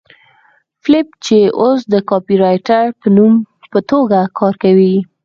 فیلیپ چې اوس د کاپيرایټر په توګه کار کوي